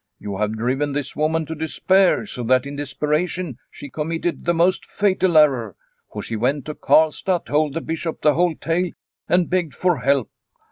You have driven this woman to despair, so that in desperation she committed the most fatal error. For she went to Karlstad, told the Bishop the whole tale, and begged for help.